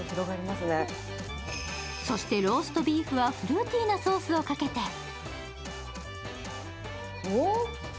そして、ローストビーフはフルーティーなソースをかけて。